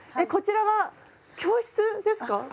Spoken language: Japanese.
こちらは教室ですか？